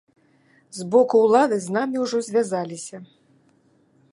З боку ўлады з намі ўжо звязаліся.